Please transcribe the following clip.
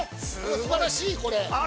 すばらしい、これ。